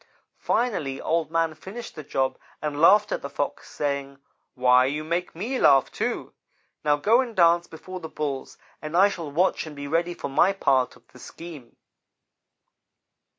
Finally Old man finished the job and laughed at the Fox, saying: 'Why, you make me laugh, too. Now go and dance before the Bulls, and I shall watch and be ready for my part of the scheme.'